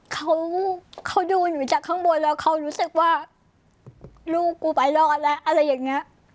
เขาเขาดูหนูจากข้างบนแล้วเขารู้สึกว่าลูกกูไปรอดแล้วอะไรอย่างเงี้ย